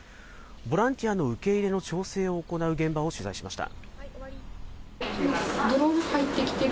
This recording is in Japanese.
ボランティアの受け入れの調整を行う現場を取材しました。